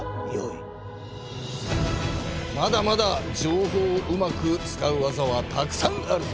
まだまだ情報をうまく使う技はたくさんあるぞ。